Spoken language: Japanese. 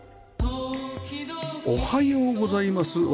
おはようございます。